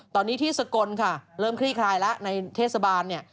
ตอนนี้ที่สกลค่ะเริ่มคลี่คลายแล้วในเทศบาลเนี่ย